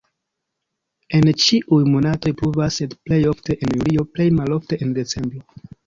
En ĉiuj monatoj pluvas, sed plej ofte en julio, plej malofte en decembro.